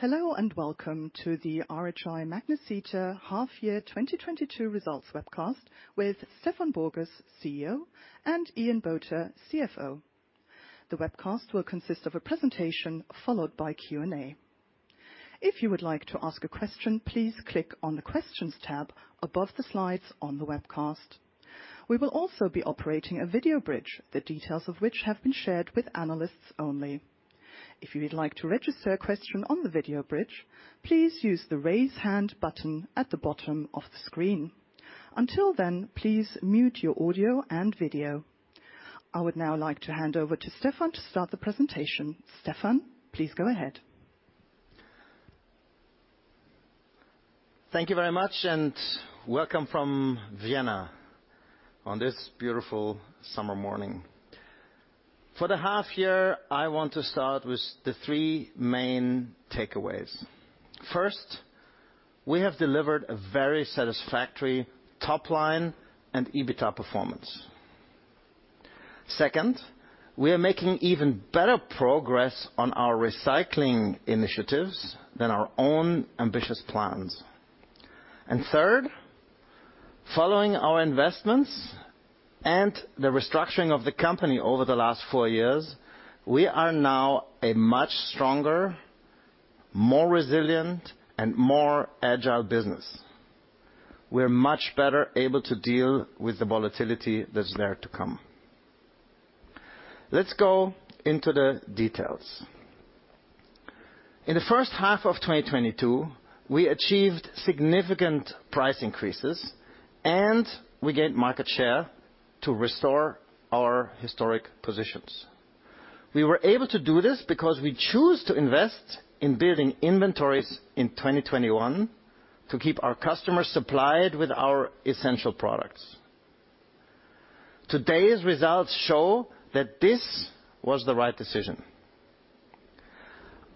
Hello, and welcome to the RHI Magnesita Half Year 2022 Results webcast with Stefan Borgas, CEO, and Ian Botha, CFO. The webcast will consist of a presentation followed by Q&A. If you would like to ask a question, please click on the Questions tab above the slides on the webcast. We will also be operating a video bridge, the details of which have been shared with analysts only. If you would like to register a question on the video bridge, please use the Raise Hand button at the bottom of the screen. Until then, please mute your audio and video. I would now like to hand over to Stefan to start the presentation. Stefan, please go ahead. Thank you very much, and welcome from Vienna on this beautiful summer morning. For the half year, I want to start with the three main takeaways. First, we have delivered a very satisfactory top line and EBITDA performance. Second, we are making even better progress on our recycling initiatives than our own ambitious plans. Third, following our investments and the restructuring of the company over the last four years, we are now a much stronger, more resilient, and more agile business. We are much better able to deal with the volatility that's there to come. Let's go into the details. In the first half of 2022, we achieved significant price increases, and we gained market share to restore our historic positions. We were able to do this because we choose to invest in building inventories in 2021 to keep our customers supplied with our essential products. Today's results show that this was the right decision.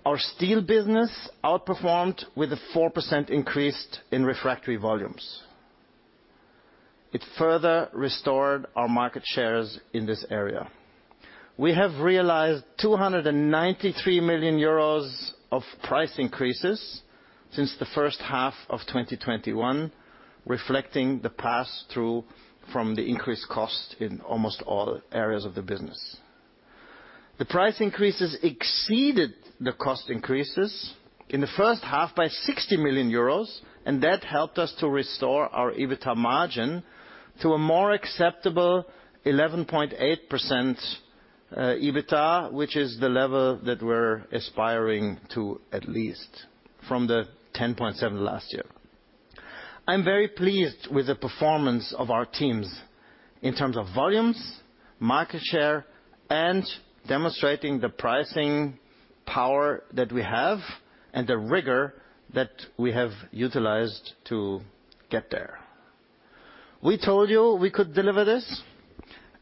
Our steel business outperformed with a 4% increase in refractory volumes. It further restored our market shares in this area. We have realized 293 million euros of price increases since the first half of 2021, reflecting the pass-through from the increased cost in almost all areas of the business. The price increases exceeded the cost increases in the first half by 60 million euros, and that helped us to restore our EBITDA margin to a more acceptable 11.8%, EBITDA, which is the level that we're aspiring to at least from the 10.7% last year. I'm very pleased with the performance of our teams in terms of volumes, market share, and demonstrating the pricing power that we have and the rigor that we have utilized to get there. We told you we could deliver this,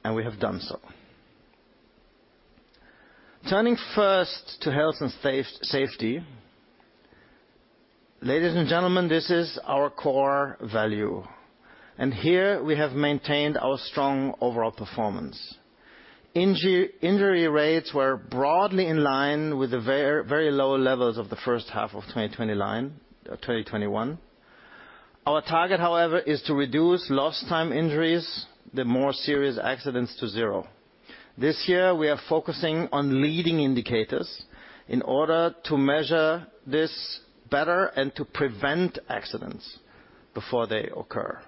and we have done so. Turning first to health and safety. Ladies and gentlemen, this is our core value, and here we have maintained our strong overall performance. Injury rates were broadly in line with the very low levels of the first half of 2021. Our target, however, is to reduce lost time injuries, the more serious accidents to zero. This year, we are focusing on leading indicators in order to measure this better and to prevent accidents before they occur.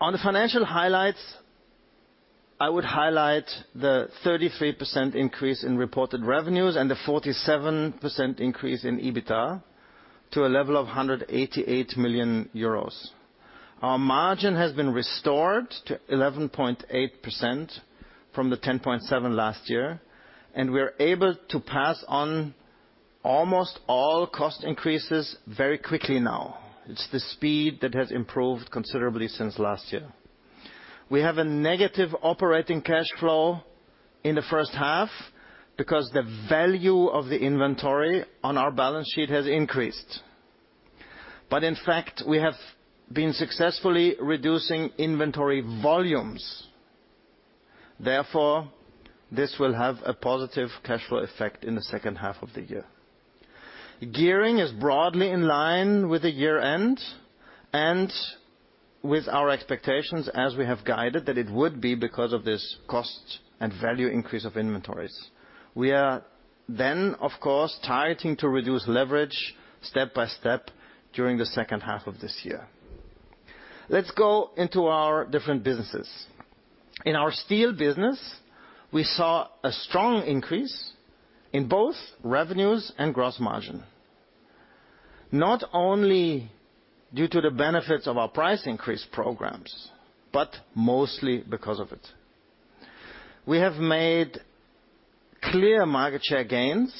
On the financial highlights, I would highlight the 33% increase in reported revenues and the 47% increase in EBITDA to a level of 188 million euros. Our margin has been restored to 11.8% from the 10.7% last year, and we are able to pass on almost all cost increases very quickly now. It's the speed that has improved considerably since last year. We have a negative operating cash flow in the first half because the value of the inventory on our balance sheet has increased. In fact, we have been successfully reducing inventory volumes. Therefore, this will have a positive cash flow effect in the second half of the year. Gearing is broadly in line with the year-end and with our expectations as we have guided that it would be because of this cost and value increase of inventories. We are then, of course, targeting to reduce leverage step by step during the second half of this year. Let's go into our different businesses. In our steel business, we saw a strong increase in both revenues and gross margin, not only due to the benefits of our price increase programs, but mostly because of it. We have made clear market share gains,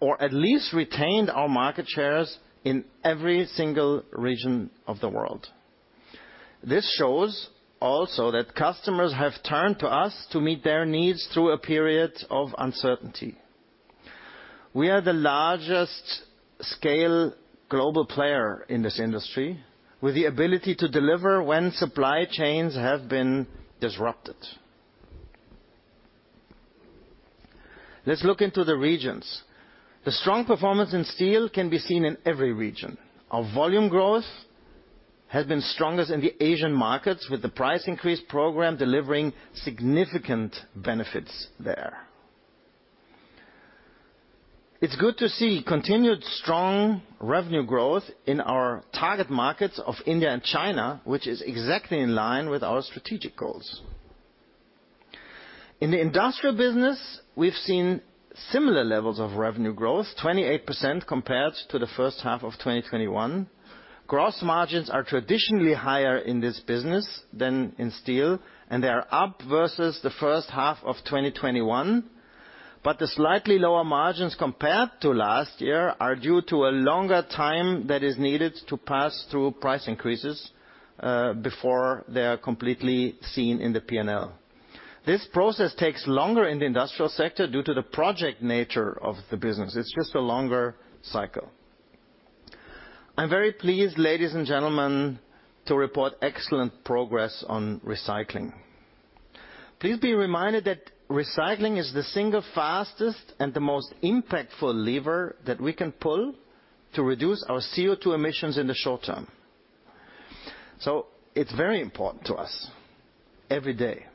or at least retained our market shares in every single region of the world. This shows also that customers have turned to us to meet their needs through a period of uncertainty. We are the largest scale global player in this industry, with the ability to deliver when supply chains have been disrupted. Let's look into the regions. The strong performance in steel can be seen in every region. Our volume growth has been strongest in the Asian markets, with the price increase program delivering significant benefits there. It's good to see continued strong revenue growth in our target markets of India and China, which is exactly in line with our strategic goals. In the industrial business, we've seen similar levels of revenue growth, 28% compared to the first half of 2021. Gross margins are traditionally higher in this business than in steel, and they are up versus the first half of 2021. The slightly lower margins compared to last year are due to a longer time that is needed to pass through price increases before they are completely seen in the PNL. This process takes longer in the industrial sector due to the project nature of the business. It's just a longer cycle. I'm very pleased, ladies and gentlemen, to report excellent progress on recycling. Please be reminded that recycling is the single fastest and the most impactful lever that we can pull to reduce our CO2 emissions in the short term. It's very important to us every day.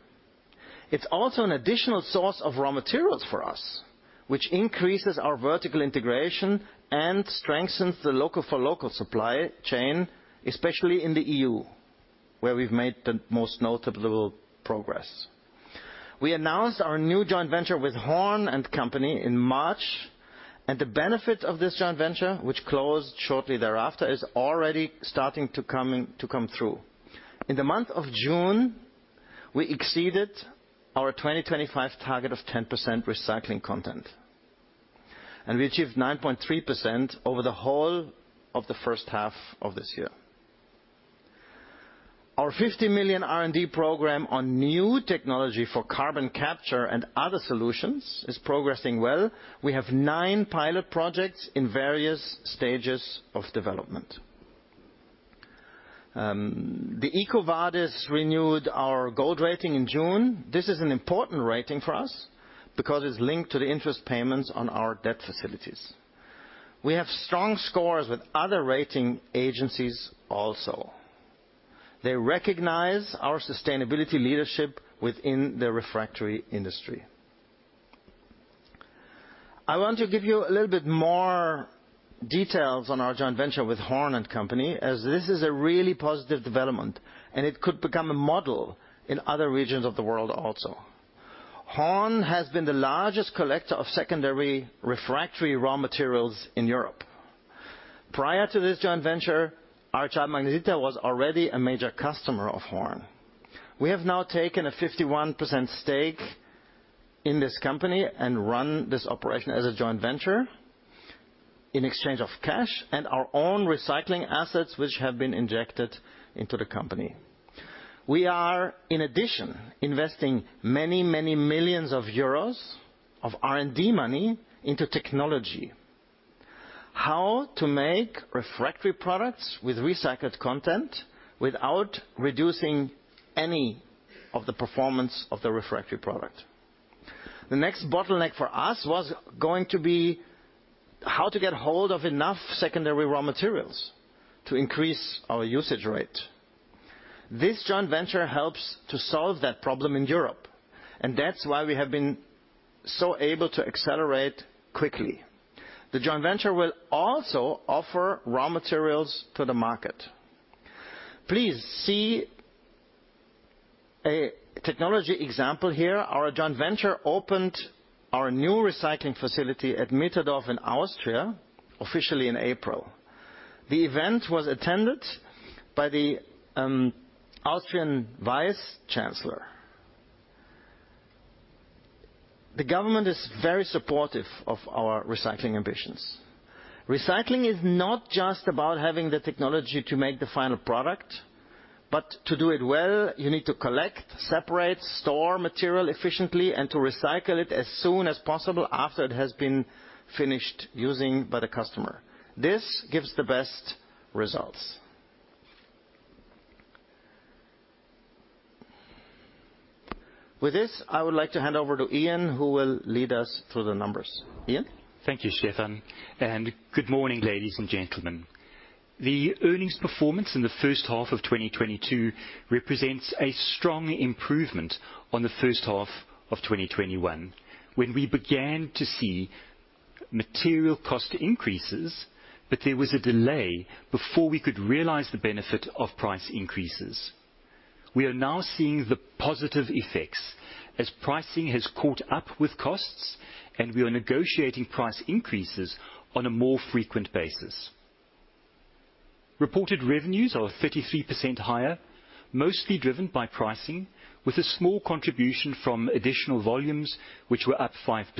It's also an additional source of raw materials for us, which increases our vertical integration and strengthens the local for local supply chain, especially in the EU, where we've made the most notable progress. We announced our new joint venture with Horn & Co. Group in March, and the benefit of this joint venture, which closed shortly thereafter, is already starting to come through. In the month of June, we exceeded our 2025 target of 10% recycling content, and we achieved 9.3% over the whole of the first half of this year. Our 50 million R&D program on new technology for carbon capture and other solutions is progressing well. We have 9 pilot projects in various stages of development. The EcoVadis renewed our Gold rating in June. This is an important rating for us because it's linked to the interest payments on our debt facilities. We have strong scores with other rating agencies also. They recognize our sustainability leadership within the refractory industry. I want to give you a little bit more details on our joint venture with Horn & Co. Group, as this is a really positive development, and it could become a model in other regions of the world also. Horn & Co. Group has been the largest collector of secondary refractory raw materials in Europe. Prior to this joint venture, RHI Magnesita was already a major customer of Horn & Co. Group. We have now taken a 51% stake in this company and run this operation as a joint venture in exchange of cash and our own recycling assets, which have been injected into the company. We are, in addition, investing many millions of EUR of R&D money into technology. How to make refractory products with recycled content without reducing any of the performance of the refractory product. The next bottleneck for us was going to be how to get hold of enough secondary raw materials to increase our usage rate. This joint venture helps to solve that problem in Europe, and that's why we have been so able to accelerate quickly. The joint venture will also offer raw materials to the market. Please see a technology example here. Our joint venture opened our new recycling facility at Mitterdorf in Austria officially in April. The event was attended by the Austrian Vice Chancellor. The government is very supportive of our recycling ambitions. Recycling is not just about having the technology to make the final product, but to do it well, you need to collect, separate, store material efficiently, and to recycle it as soon as possible after it has been finished using by the customer. This gives the best results. With this, I would like to hand over to Ian, who will lead us through the numbers. Ian? Thank you, Stefan. Good morning, ladies and gentlemen. The earnings performance in the first half of 2022 represents a strong improvement on the first half of 2021, when we began to see material cost increases, but there was a delay before we could realize the benefit of price increases. We are now seeing the positive effects as pricing has caught up with costs, and we are negotiating price increases on a more frequent basis. Reported revenues are 33% higher, mostly driven by pricing, with a small contribution from additional volumes, which were up 5%.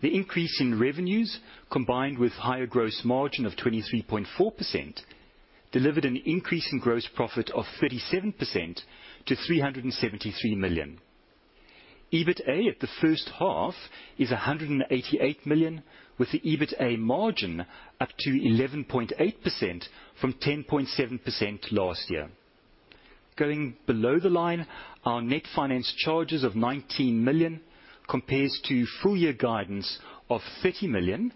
The increase in revenues, combined with higher gross margin of 23.4%, delivered an increase in gross profit of 37% to 373 million. EBITDA at the first half is 188 million, with the EBITDA margin up to 11.8% from 10.7% last year. Going below the line, our net finance charges of 19 million compares to full year guidance of 30 million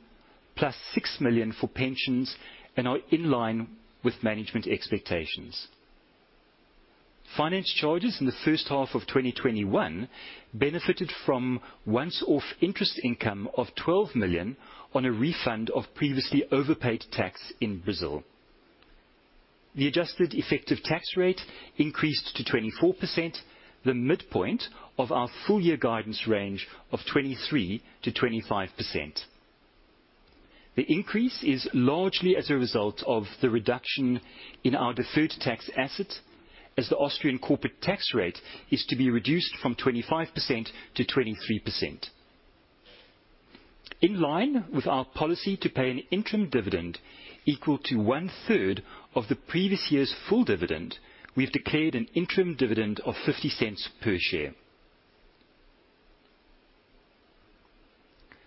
+ 6 million for pensions and are in line with management expectations. Finance charges in the first half of 2021 benefited from one-off interest income of 12 million on a refund of previously overpaid tax in Brazil. The adjusted effective tax rate increased to 24%, the midpoint of our full year guidance range of 23%-25%. The increase is largely as a result of the reduction in our deferred tax asset as the Austrian corporate tax rate is to be reduced from 25% to 23%. In line with our policy to pay an interim dividend equal to one-third of the previous year's full dividend, we've declared an interim dividend of 0.50 per share.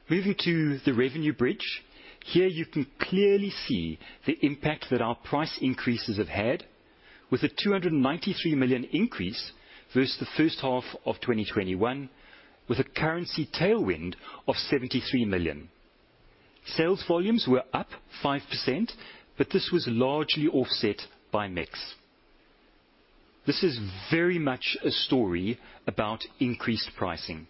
Moving to the revenue bridge. Here you can clearly see the impact that our price increases have had with a 293 million increase versus the first half of 2021, with a currency tailwind of 73 million. Sales volumes were up 5%, but this was largely offset by mix. This is very much a story about increased pricing.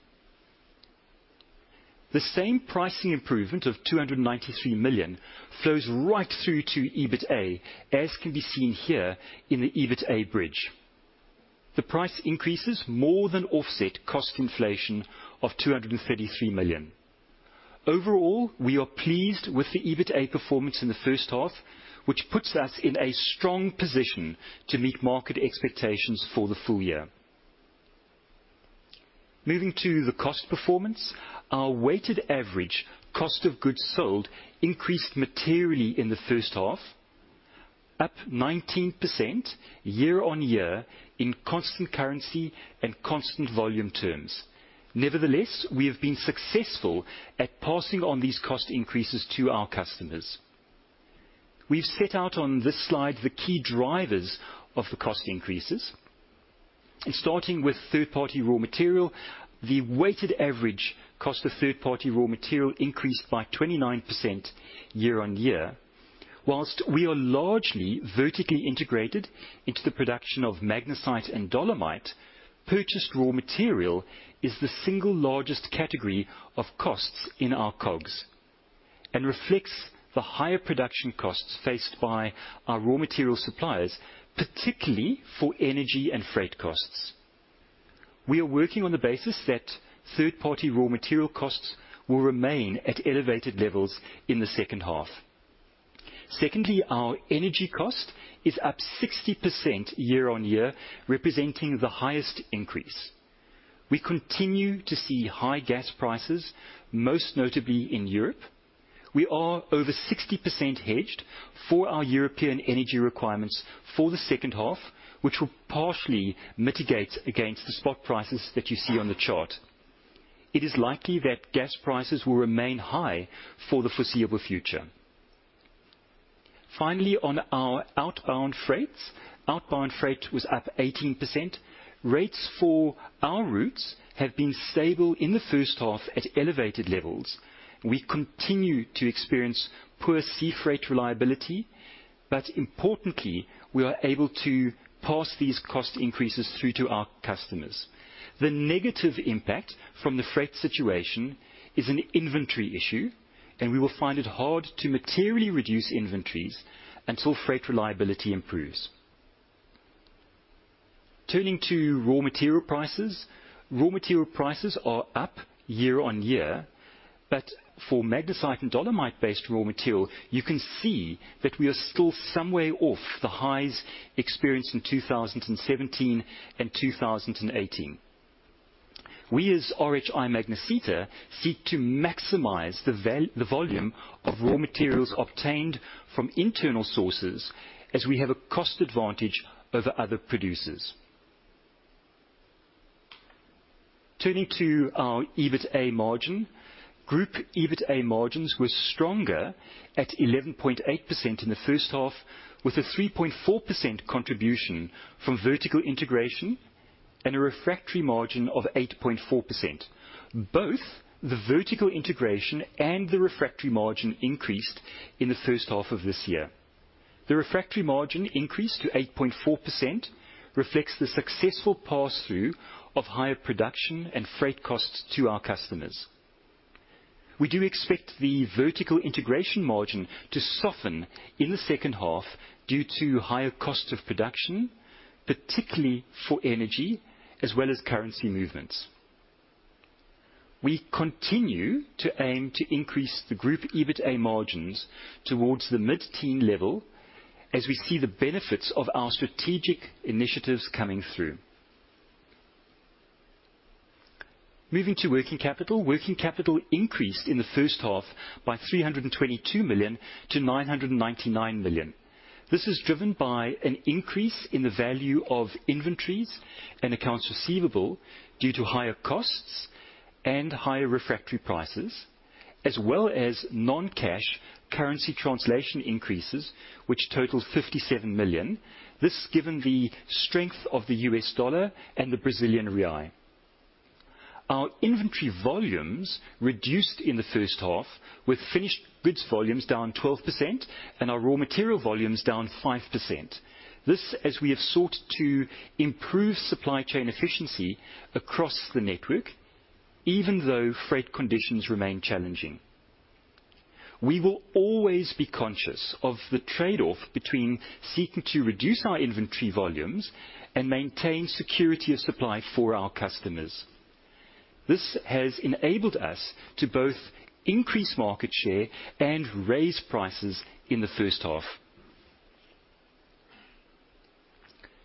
The same pricing improvement of 293 million flows right through to EBITA, as can be seen here in the EBITA bridge. The price increases more than offset cost inflation of 233 million. Overall, we are pleased with the EBITA performance in the first half, which puts us in a strong position to meet market expectations for the full year. Moving to the cost performance. Our weighted average cost of goods sold increased materially in the first half, up 19% year-on-year in constant currency and constant volume terms. Nevertheless, we have been successful at passing on these cost increases to our customers. We've set out on this slide the key drivers of the cost increases. Starting with third-party raw material. The weighted average cost of third-party raw material increased by 29% year-on-year. While we are largely vertically integrated into the production of magnesite and dolomite, purchased raw material is the single largest category of costs in our COGS and reflects the higher production costs faced by our raw material suppliers, particularly for energy and freight costs. We are working on the basis that third-party raw material costs will remain at elevated levels in the second half. Secondly, our energy cost is up 60% year-on-year, representing the highest increase. We continue to see high gas prices, most notably in Europe. We are over 60% hedged for our European energy requirements for the second half, which will partially mitigate against the spot prices that you see on the chart. It is likely that gas prices will remain high for the foreseeable future. Finally, on our outbound freights. Outbound freight was up 18%. Rates for our routes have been stable in the first half at elevated levels. We continue to experience poor sea freight reliability, but importantly, we are able to pass these cost increases through to our customers. The negative impact from the freight situation is an inventory issue, and we will find it hard to materially reduce inventories until freight reliability improves. Turning to raw material prices. Raw material prices are up year-on-year, but for magnesite and dolomite-based raw material, you can see that we are still some way off the highs experienced in 2017 and 2018. We, as RHI Magnesita, seek to maximize the volume of raw materials obtained from internal sources as we have a cost advantage over other producers. Turning to our EBITA margin. Group EBITA margins were stronger at 11.8% in the first half, with a 3.4% contribution from vertical integration and a refractory margin of 8.4%. Both the vertical integration and the refractory margin increased in the first half of this year. The refractory margin increase to 8.4% reflects the successful pass-through of higher production and freight costs to our customers. We do expect the vertical integration margin to soften in the second half due to higher cost of production, particularly for energy as well as currency movements. We continue to aim to increase the group EBITDA margins towards the mid-teen level as we see the benefits of our strategic initiatives coming through. Moving to working capital. Working capital increased in the first half by 322 million-999 million. This is driven by an increase in the value of inventories and accounts receivable due to higher costs and higher refractory prices, as well as non-cash currency translation increases, which totaled 57 million. This given the strength of the U.S. dollar and the Brazilian real. Our inventory volumes reduced in the first half, with finished goods volumes down 12% and our raw material volumes down 5%. This as we have sought to improve supply chain efficiency across the network, even though freight conditions remain challenging. We will always be conscious of the trade-off between seeking to reduce our inventory volumes and maintain security of supply for our customers. This has enabled us to both increase market share and raise prices in the first half.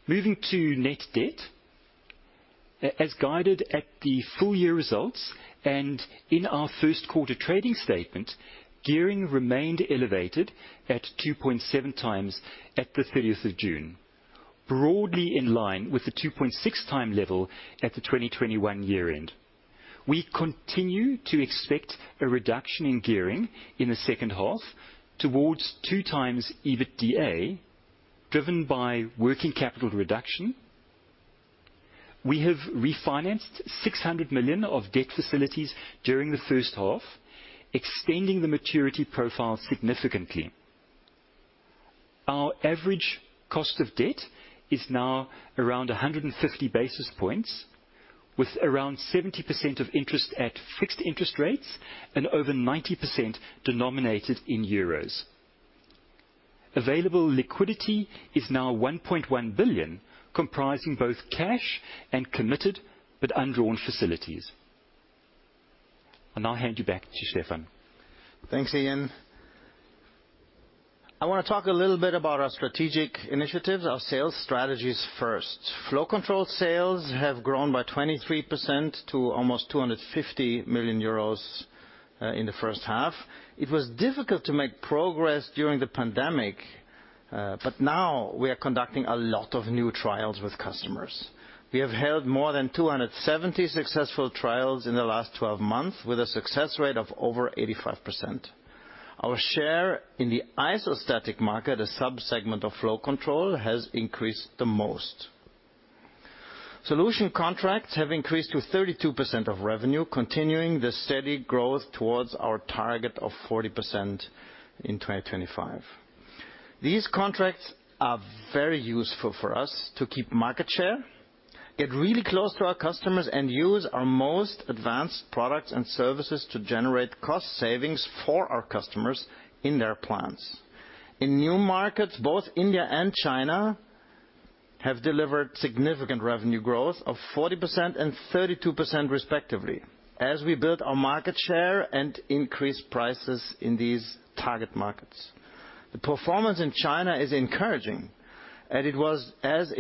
Moving to net debt. As guided at the full year results and in our first quarter trading statement, gearing remained elevated at 2.7x at the thirtieth of June, broadly in line with the 2.6x level at the 2021 year end. We continue to expect a reduction in gearing in the second half towards 2x EBITDA, driven by working capital reduction. We have refinanced 600 million of debt facilities during the first half, extending the maturity profile significantly. Our average cost of debt is now around 150 basis points, with around 70% of interest at fixed interest rates and over 90% denominated in euros. Available liquidity is now 1.1 billion, comprising both cash and committed, but undrawn facilities. I'll now hand you back to Stefan. Thanks, Ian. I wanna talk a little bit about our strategic initiatives, our sales strategies first. Flow Control sales have grown by 23% to almost 250 million euros in the first half. It was difficult to make progress during the pandemic, but now we are conducting a lot of new trials with customers. We have held more than 270 successful trials in the last 12 months with a success rate of over 85%. Our share in the Isostatic market, a sub-segment of Flow Control, has increased the most. Solution contracts have increased to 32% of revenue, continuing the steady growth towards our target of 40% in 2025. These contracts are very useful for us to keep market share, get really close to our customers, and use our most advanced products and services to generate cost savings for our customers in their plants. In new markets, both India and China have delivered significant revenue growth of 40% and 32% respectively as we build our market share and increase prices in these target markets. The performance in China is encouraging, and it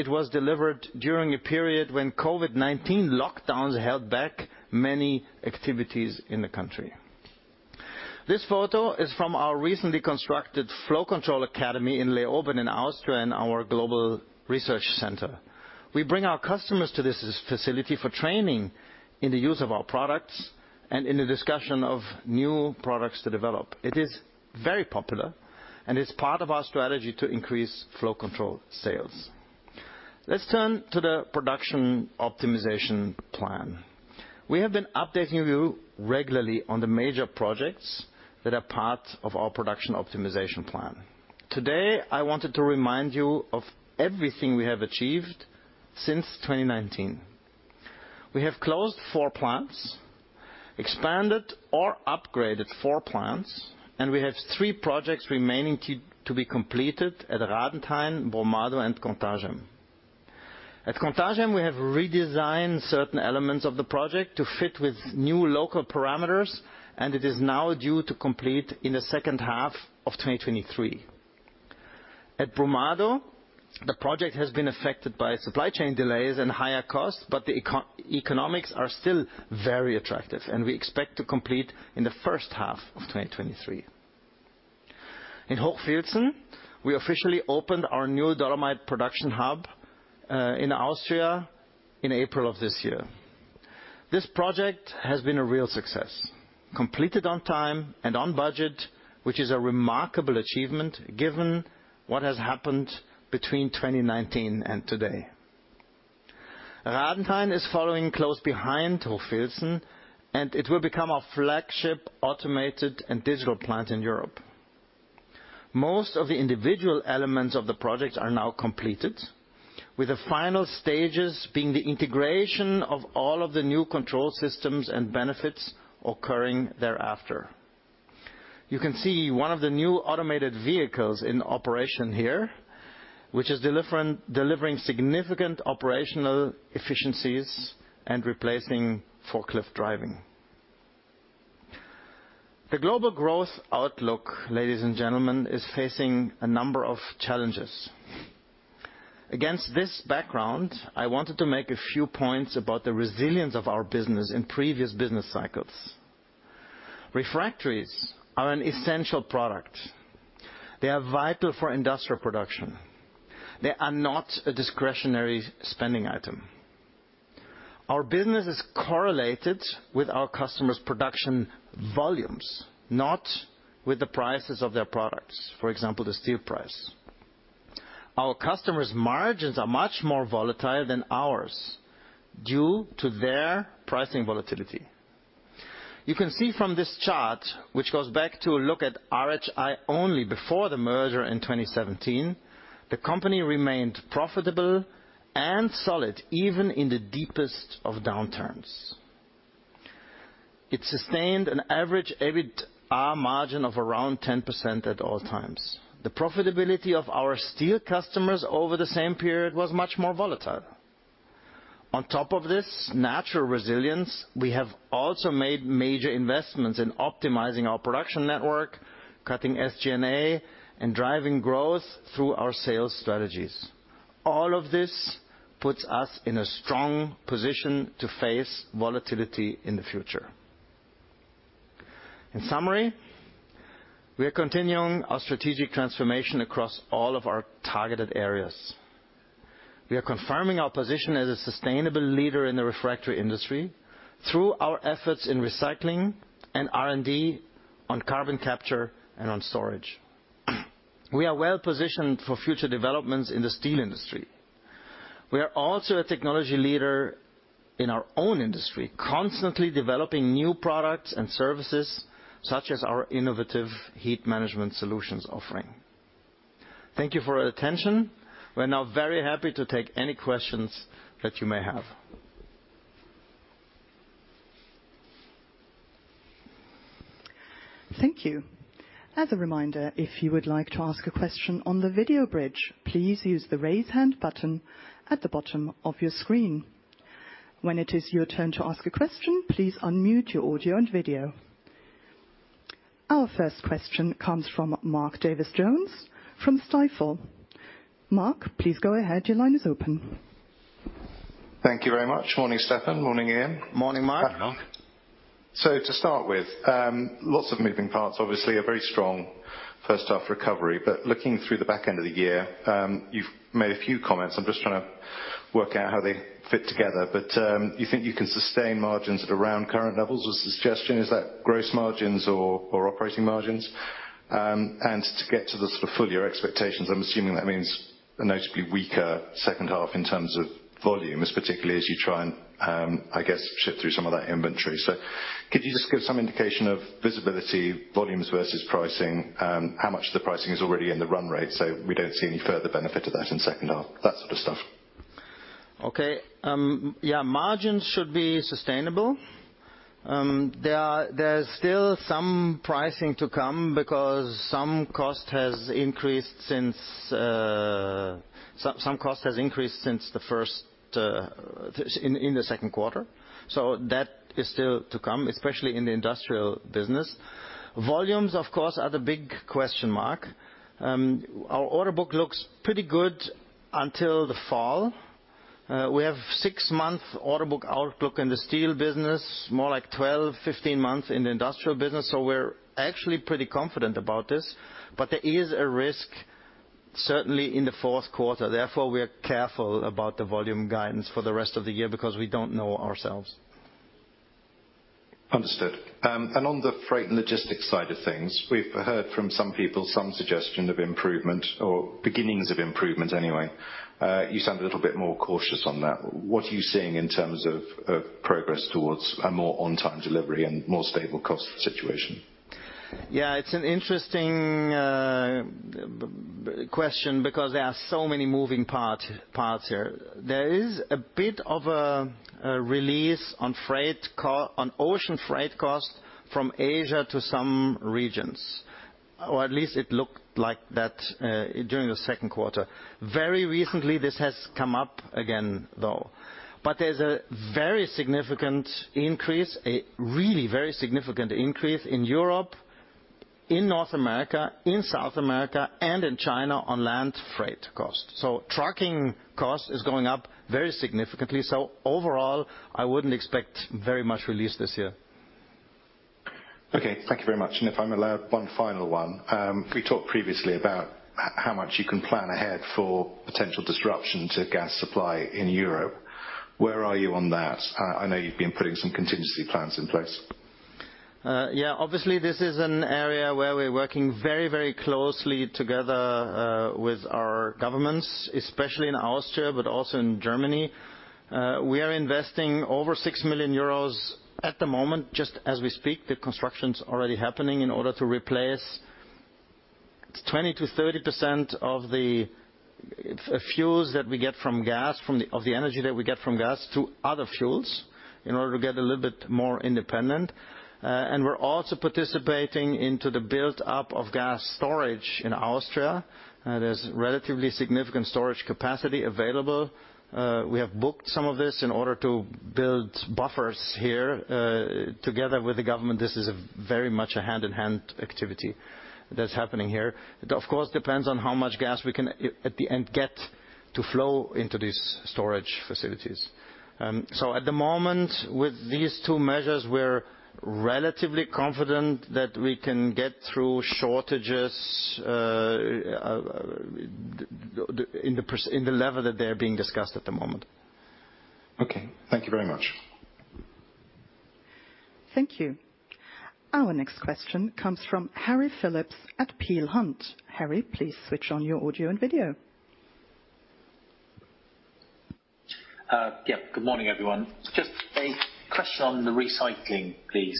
was delivered during a period when COVID-19 lockdowns held back many activities in the country. This photo is from our recently constructed Flow Control Academy in Leoben in Austria in our global research center. We bring our customers to this facility for training in the use of our products and in the discussion of new products to develop. It is very popular and is part of our strategy to increase Flow Control sales. Let's turn to the production optimization plan. We have been updating you regularly on the major projects that are part of our production optimization plan. Today, I wanted to remind you of everything we have achieved since 2019. We have closed four plants, expanded or upgraded four plants, and we have three projects remaining to be completed at Radenthein, Brumado, and Contagem. At Contagem, we have redesigned certain elements of the project to fit with new local parameters, and it is now due to complete in the second half of 2023. At Brumado, the project has been affected by supply chain delays and higher costs, but the eco-economics are still very attractive, and we expect to complete in the first half of 2023. In Hochfilzen, we officially opened our new dolomite production hub in Austria in April of this year. This project has been a real success, completed on time and on budget, which is a remarkable achievement given what has happened between 2019 and today. Radenthein is following close behind Hochfilzen, and it will become our flagship automated and digital plant in Europe. Most of the individual elements of the project are now completed, with the final stages being the integration of all of the new control systems and benefits occurring thereafter. You can see one of the new automated vehicles in operation here, which is delivering significant operational efficiencies and replacing forklift driving. The global growth outlook, ladies and gentlemen, is facing a number of challenges. Against this background, I wanted to make a few points about the resilience of our business in previous business cycles. Refractories are an essential product. They are vital for industrial production. They are not a discretionary spending item. Our business is correlated with our customers' production volumes, not with the prices of their products, for example, the steel price. Our customers' margins are much more volatile than ours due to their pricing volatility. You can see from this chart, which goes back to look at RHI only before the merger in 2017, the company remained profitable and solid even in the deepest of downturns. It sustained an average EBITDA margin of around 10% at all times. The profitability of our steel customers over the same period was much more volatile. On top of this natural resilience, we have also made major investments in optimizing our production network, cutting SG&A, and driving growth through our sales strategies. All of this puts us in a strong position to face volatility in the future. In summary, we are continuing our strategic transformation across all of our targeted areas. We are confirming our position as a sustainable leader in the refractory industry through our efforts in recycling and R&D on carbon capture and storage. We are well positioned for future developments in the steel industry. We are also a technology leader in our own industry, constantly developing new products and services such as our innovative Heat Management Solutions offering. Thank you for your attention. We're now very happy to take any questions that you may have. Thank you. As a reminder, if you would like to ask a question on the video bridge, please use the raise hand button at the bottom of your screen. When it is your turn to ask a question, please unmute your audio and video. Our first question comes from Mark Davies Jones from Stifel. Mark, please go ahead. Your line is open. Thank you very much. Morning, Stefan. Morning, Ian. Morning, Mark. To start with, lots of moving parts. Obviously, a very strong first half recovery. Looking through the back end of the year, you've made a few comments. I'm just trying to work out how they fit together. You think you can sustain margins at around current levels was the suggestion. Is that gross margins or operating margins? To get to the sort of full year expectations, I'm assuming that means a noticeably weaker second half in terms of volume, especially as you try and I guess, shift through some of that inventory. Could you just give some indication of visibility, volumes versus pricing? How much of the pricing is already in the run rate so we don't see any further benefit of that in second half? That sort of stuff. Okay. Yeah, margins should be sustainable. There's still some pricing to come because some cost has increased since the first in the second quarter. That is still to come, especially in the industrial business. Volumes, of course, are the big question mark. Our order book looks pretty good until the fall. We have six-month order book outlook in the steel business, more like 12, 15 months in the industrial business. We're actually pretty confident about this. There is a risk, certainly in the fourth quarter, therefore, we are careful about the volume guidance for the rest of the year because we don't know ourselves. Understood. On the freight and logistics side of things, we've heard from some people some suggestion of improvement or beginnings of improvement anyway. You sound a little bit more cautious on that. What are you seeing in terms of progress towards a more on time delivery and more stable cost situation? Yeah, it's an interesting question because there are so many moving parts here. There is a bit of a release on ocean freight costs from Asia to some regions, or at least it looked like that during the second quarter. Very recently, this has come up again, though. There's a very significant increase, a really very significant increase in Europe, in North America, in South America, and in China on land freight costs. Trucking costs is going up very significantly. Overall, I wouldn't expect very much release this year. Okay. Thank you very much. If I'm allowed one final one. We talked previously about how much you can plan ahead for potential disruption to gas supply in Europe. Where are you on that? I know you've been putting some contingency plans in place. Yeah. Obviously, this is an area where we're working very, very closely together with our governments, especially in Austria, but also in Germany. We are investing over 6 million euros at the moment. Just as we speak, the construction's already happening in order to replace 20%-30% of the fuels that we get from gas, of the energy that we get from gas to other fuels in order to get a little bit more independent. We're also participating in the build-up of gas storage in Austria. There's relatively significant storage capacity available. We have booked some of this in order to build buffers here together with the government. This is very much a hand-in-hand activity that's happening here. It, of course, depends on how much gas we can at the end get to flow into these storage facilities. At the moment, with these two measures, we're relatively confident that we can get through shortages in the level that they are being discussed at the moment. Okay. Thank you very much. Thank you. Our next question comes from Harry Philips at Peel Hunt. Harry, please switch on your audio and video. Yep, good morning, everyone. Just a question on the recycling, please.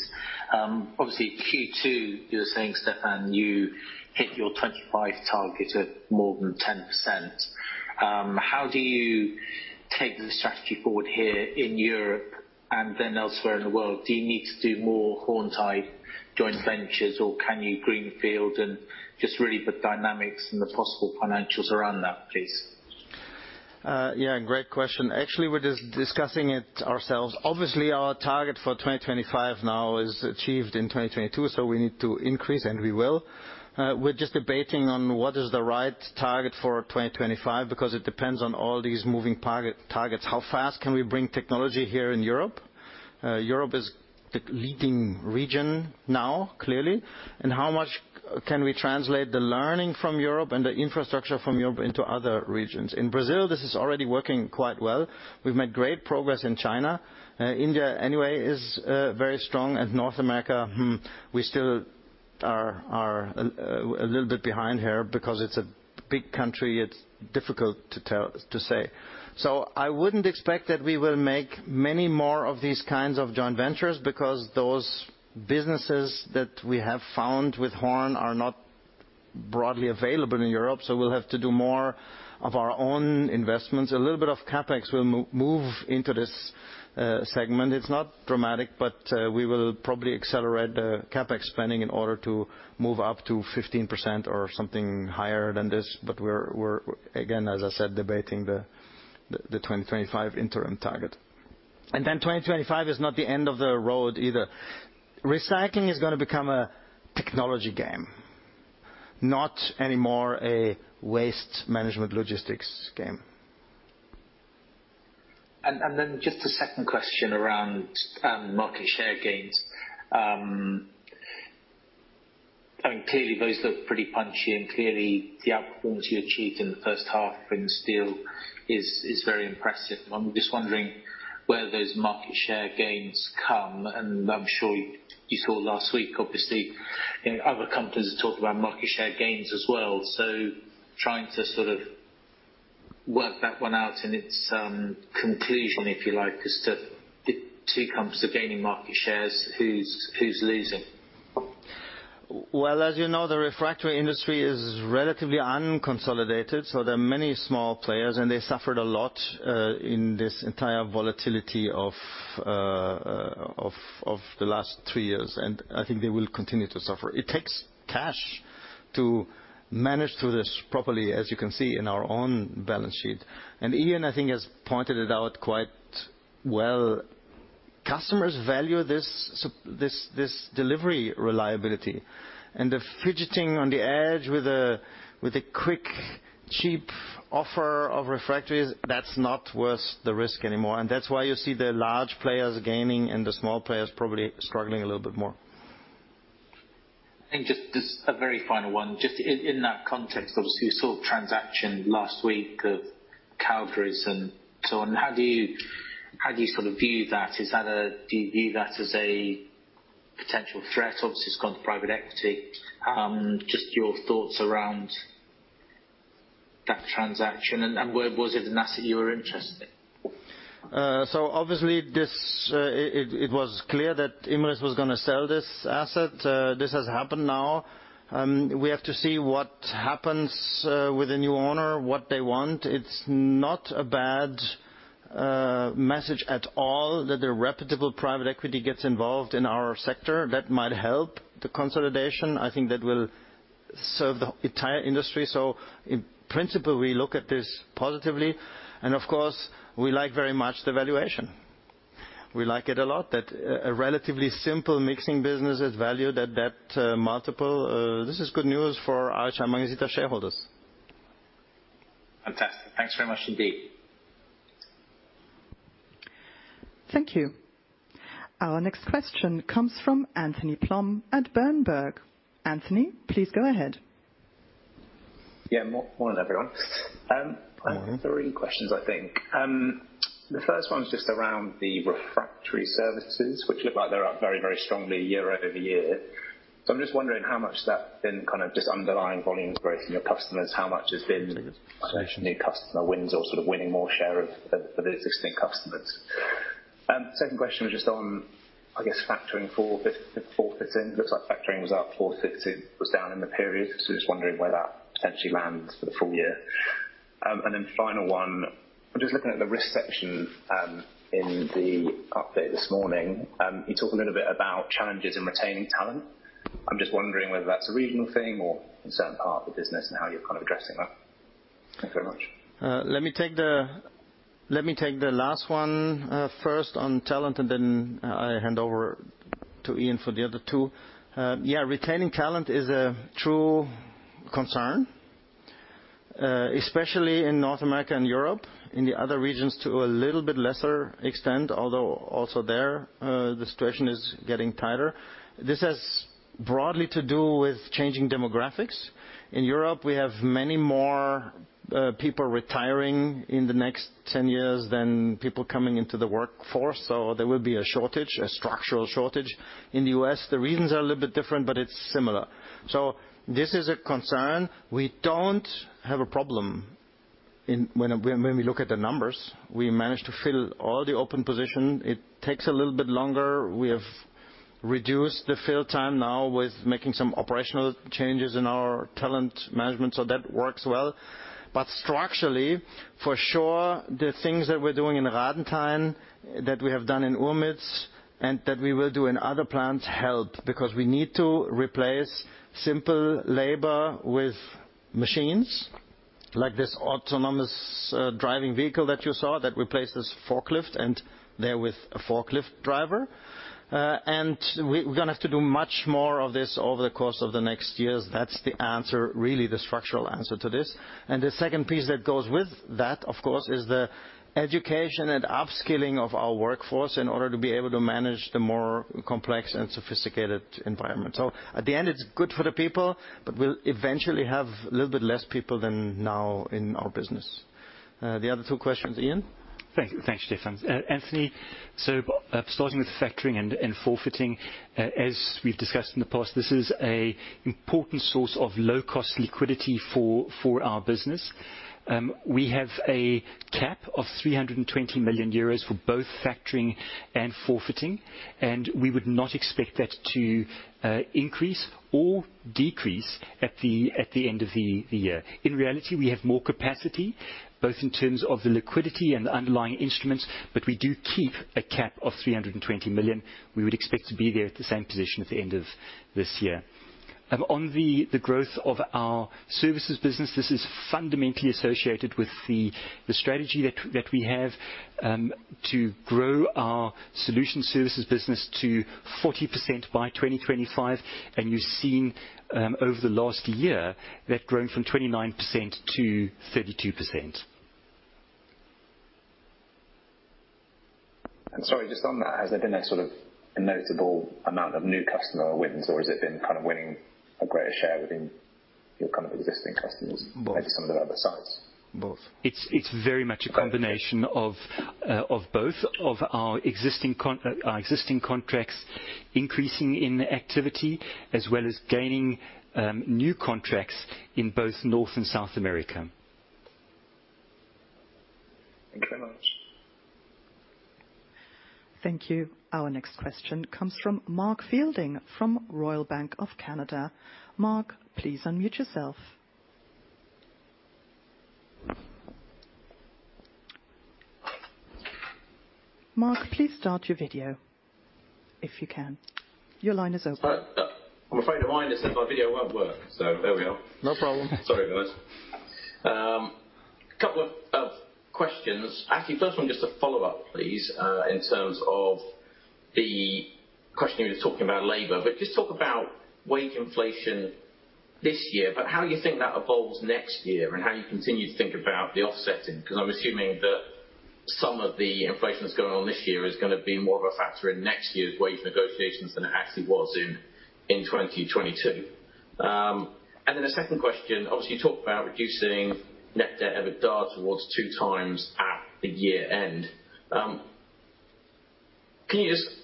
Obviously Q2, you're saying, Stefan, you hit your 25 target of more than 10%. How do you take the strategy forward here in Europe and then elsewhere in the world? Do you need to do more Horn-type joint ventures, or can you greenfield? Just really the dynamics and the possible financials around that, please. Yeah, great question. Actually, we're just discussing it ourselves. Obviously, our target for 2025 now is achieved in 2022, so we need to increase, and we will. We're just debating on what is the right target for 2025 because it depends on all these moving target, targets. How fast can we bring technology here in Europe? Europe is the leading region now, clearly. How much can we translate the learning from Europe and the infrastructure from Europe into other regions? In Brazil, this is already working quite well. We've made great progress in China. India anyway is very strong. North America, we still are a little bit behind here because it's a big country. It's difficult to say. I wouldn't expect that we will make many more of these kinds of joint ventures because those businesses that we have found with Horn are not broadly available in Europe. We'll have to do more of our own investments. A little bit of CapEx will move into this segment. It's not dramatic, but we will probably accelerate the CapEx spending in order to move up to 15% or something higher than this. But we're, again, as I said, debating the 2025 interim target. Then 2025 is not the end of the road either. Recycling is gonna become a technology game, not anymore a waste management logistics game. Then just a second question around market share gains. I mean, clearly those look pretty punchy, and clearly the outcomes you achieved in the first half in steel is very impressive. I'm just wondering where those market share gains come, and I'm sure you saw last week, obviously, you know, other companies talk about market share gains as well. Trying to sort of work that one out in its conclusion, if you like, as to if two companies are gaining market shares, who's losing? Well, as you know, the refractory industry is relatively unconsolidated, so there are many small players, and they suffered a lot in this entire volatility of the last three years, and I think they will continue to suffer. It takes cash to manage through this properly, as you can see in our own balance sheet. Ian, I think, has pointed it out quite well. Customers value this delivery reliability and the fidgeting on the edge with a quick, cheap offer of refractories, that's not worth the risk anymore. That's why you see the large players gaining and the small players probably struggling a little bit more. Just as a very final one, just in that context, obviously, you saw a transaction last week of Calderys and so on. How do you sort of view that? Do you view that as a potential threat? Obviously, it's gone to private equity. Just your thoughts around that transaction and was it an asset you were interested in? Obviously this was clear that Imerys was gonna sell this asset. This has happened now. We have to see what happens with the new owner, what they want. It's not a bad message at all that the reputable private equity gets involved in our sector. That might help the consolidation. I think that will serve the entire industry. In principle, we look at this positively. Of course, we like very much the valuation. We like it a lot that a relatively simple mixing business is valued at that multiple. This is good news for our Magnesita shareholders. Fantastic. Thanks very much indeed. Thank you. Our next question comes from Anthony Plom at Berenberg. Anthony, please go ahead. Morning, everyone. I have three questions, I think. The first one is just around the refractory services, which look like they're up very, very strongly year-over-year. I'm just wondering how much that's been kind of just underlying volume growth from your customers, how much has been new customer wins or sort of winning more share of the existing customers. Second question was just on, I guess, factoring and forfeiting. Looks like factoring was up, forfeiting was down in the period. Just wondering where that potentially lands for the full year. Final one. I'm just looking at the risk section in the update this morning. You talk a little bit about challenges in retaining talent. I'm just wondering whether that's a regional thing or in a certain part of the business and how you're kind of addressing that. Thanks very much. Let me take the last one first on talent, and then I hand over to Ian for the other two. Yeah, retaining talent is a true concern, especially in North America and Europe. In the other regions to a little bit lesser extent, although also there, the situation is getting tighter. This has broadly to do with changing demographics. In Europe, we have many more people retiring in the next 10 years than people coming into the workforce, so there will be a shortage, a structural shortage. In the U.S., the reasons are a little bit different, but it's similar. This is a concern. We don't have a problem. When we look at the numbers, we managed to fill all the open position. It takes a little bit longer. We have reduced the fill time now with making some operational changes in our talent management, so that works well. Structurally, for sure, the things that we're doing in Radenthein, that we have done in Urmitz, and that we will do in other plants help because we need to replace simple labor with machines, like this autonomous driving vehicle that you saw that replaces forklift and therewith a forklift driver. We're gonna have to do much more of this over the course of the next years. That's the answer, really the structural answer to this. The second piece that goes with that, of course, is the education and upskilling of our workforce in order to be able to manage the more complex and sophisticated environment. At the end, it's good for the people, but we'll eventually have a little bit less people than now in our business. The other two questions, Ian. Thanks, Stefan. Anthony, starting with factoring and forfeiting. As we've discussed in the past, this is an important source of low-cost liquidity for our business. We have a cap of 320 million euros for both factoring and forfeiting, and we would not expect that to increase or decrease at the end of the year. In reality, we have more capacity, both in terms of the liquidity and the underlying instruments, but we do keep a cap of 320 million. We would expect to be there at the same position at the end of this year. On the growth of our services business, this is fundamentally associated with the strategy that we have to grow our solution services business to 40% by 2025. You've seen, over the last year, that grown from 29% to 32%. Sorry, just on that, has there been a sort of a notable amount of new customer wins, or has it been kind of winning a greater share within your kind of existing customers? Both. Maybe some of the other sides. Both. It's very much a combination. Okay. Of both. Of our existing contracts increasing in activity as well as gaining new contracts in both North and South America. Thank you very much. Thank you. Our next question comes from Mark Fielding from Royal Bank of Canada. Mark, please unmute yourself. Mark, please start your video if you can. Your line is open. Sorry. I'm afraid my mic, they said my video won't work. There we are. No problem. Sorry, guys. A couple of questions. Actually, first one, just to follow up please, in terms of the question you were talking about labor. Just talk about wage inflation this year, how you think that evolves next year and how you continue to think about the offsetting. 'Cause I'm assuming that some of the inflation that's going on this year is gonna be more of a factor in next year's wage negotiations than it actually was in 2022. Then a second question, obviously, you talked about reducing net debt/EBITDA towards 2x at the year-end. Can you just.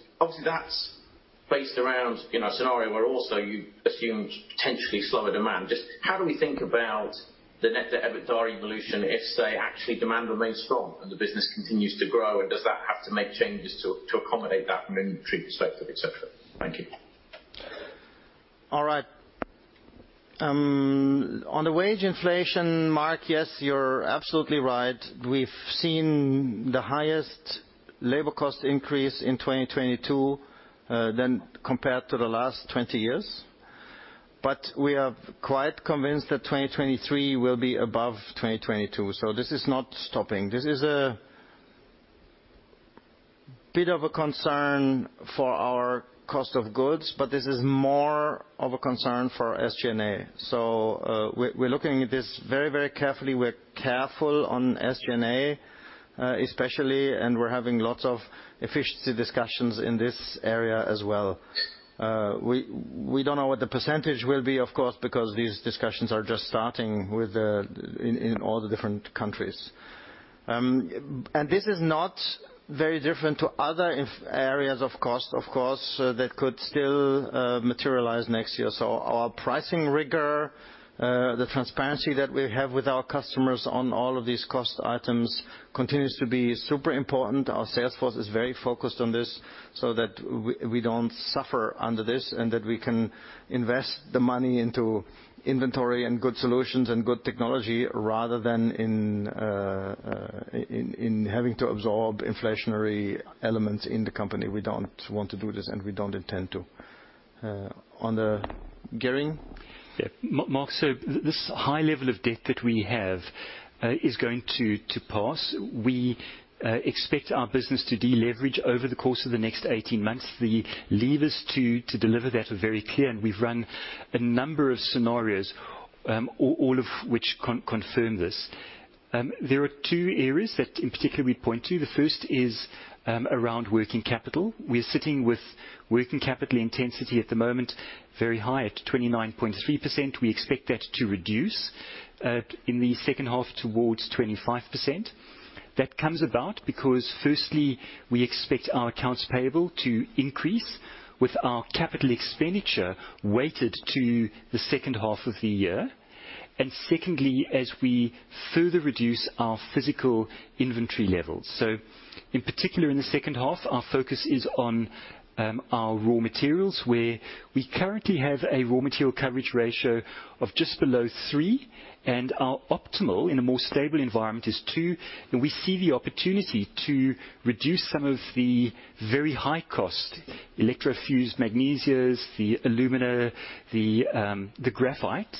That's based around a scenario where also you assumed potentially slower demand. How do we think about the net debt/EBITDA evolution if, say, actually demand remains strong and the business continues to grow? Does that have to make changes to accommodate that from an interest rate perspective, et cetera? Thank you. All right. On the wage inflation, Mark, yes, you're absolutely right. We've seen the highest labor cost increase in 2022 than compared to the last 20 years. We are quite convinced that 2023 will be above 2022. This is not stopping. This is a bit of a concern for our cost of goods, but this is more of a concern for SG&A. We're looking at this very, very carefully. We're careful on SG&A, especially, and we're having lots of efficiency discussions in this area as well. We don't know what the percentage will be, of course, because these discussions are just starting in all the different countries. This is not very different to other areas of cost, of course, that could still materialize next year. Our pricing rigor, the transparency that we have with our customers on all of these cost items continues to be super important. Our sales force is very focused on this so that we don't suffer under this and that we can invest the money into inventory and good solutions and good technology rather than in having to absorb inflationary elements in the company. We don't want to do this, and we don't intend to. On the Ian Botha? Yeah. Mark, this high level of debt that we have is going to pass. We expect our business to deleverage over the course of the next 18 months. The levers to deliver that are very clear, and we've run a number of scenarios, all of which confirm this. There are two areas that in particular we point to. The first is around working capital. We're sitting with working capital intensity at the moment very high at 29.3%. We expect that to reduce in the second half towards 25%. That comes about because firstly, we expect our accounts payable to increase with our capital expenditure weighted to the second half of the year. Secondly, as we further reduce our physical inventory levels. In particular, in the second half our focus is on our raw materials, where we currently have a raw material coverage ratio of just below three and our optimal in a more stable environment is two. We see the opportunity to reduce some of the very high cost electrofused magnesia, the alumina, the graphite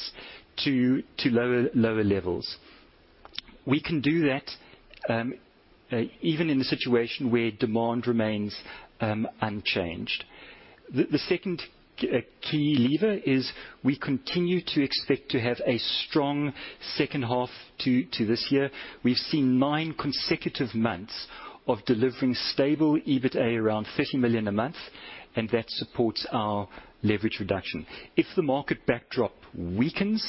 to lower levels. We can do that even in a situation where demand remains unchanged. The second key lever is we continue to expect to have a strong second half to this year. We've seen nine consecutive months of delivering stable EBITA around 30 million a month, and that supports our leverage reduction. If the market backdrop weakens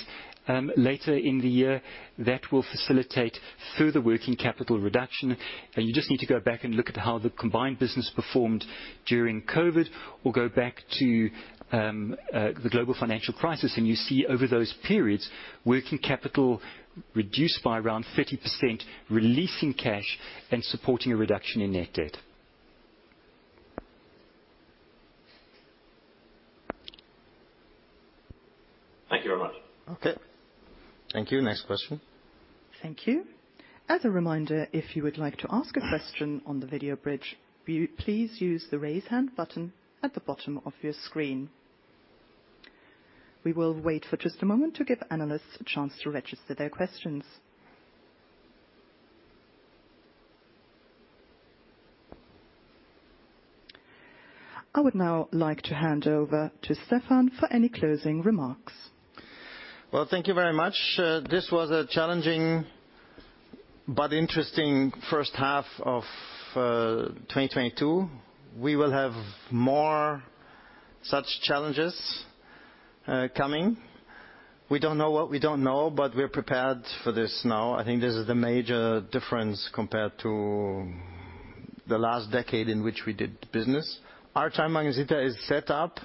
later in the year, that will facilitate further working capital reduction. You just need to go back and look at how the combined business performed during COVID or go back to the global financial crisis and you see over those periods working capital reduced by around 30%, releasing cash and supporting a reduction in net debt. Thank you very much. Okay. Thank you. Next question. Thank you. As a reminder, if you would like to ask a question on the video bridge, please use the raise hand button at the bottom of your screen. We will wait for just a moment to give analysts a chance to register their questions. I would now like to hand over to Stefan for any closing remarks. Well, thank you very much. This was a challenging but interesting first half of 2022. We will have more such challenges coming. We don't know what we don't know, but we're prepared for this now. I think this is the major difference compared to the last decade in which we did business. RHI Magnesita is set up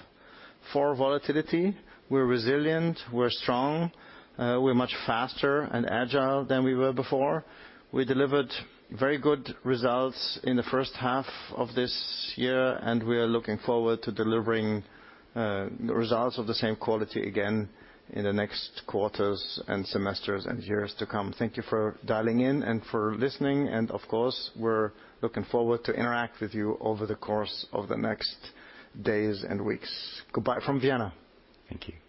for volatility. We're resilient, we're strong, we're much faster and agile than we were before. We delivered very good results in the first half of this year, and we are looking forward to delivering results of the same quality again in the next quarters and semesters and years to come. Thank you for dialing in and for listening. Of course, we're looking forward to interact with you over the course of the next days and weeks. Goodbye from Vienna. Thank you.